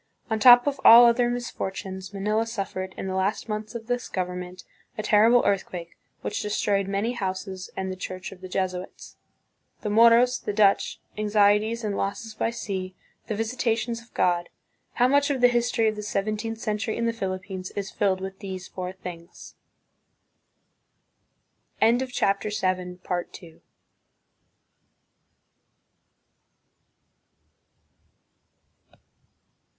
" On top of all other misfortunes, Manila suffered, in the last months of this government, a terrible earth quake, which destroyed many houses and the church of the Jesuits." 2 The Moros, the Dutch, anxieties and losses by sea, the visi tations of God, how much of the history of the seventeenth century in the Philippines is filled with